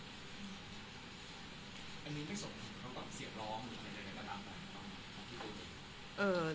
อันนี้มันส่งถึงเรื่องกับเสียงร้องในระดับต่างของพี่โดย